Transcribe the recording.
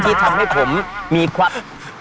ที่ทำให้ผมมีความ